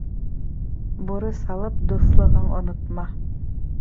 Бурыс алып, дуҫлығың онотма.